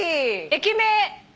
駅名。